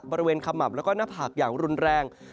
ขมับแล้วก็หน้าผากอย่างรุนแรง